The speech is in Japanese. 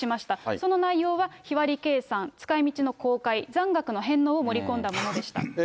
その内容は日割り計算、使いみちの公開、残額の返納を盛り込んだものでした。